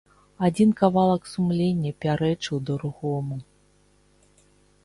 Адзін кавалак сумлення пярэчыў другому.